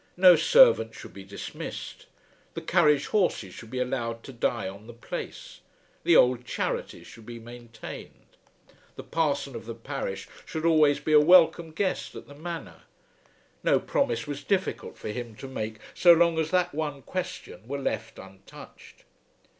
No servant should be dismissed. The carriage horses should be allowed to die on the place. The old charities should be maintained. The parson of the parish should always be a welcome guest at the Manor. No promise was difficult for him to make so long as that one question were left untouched.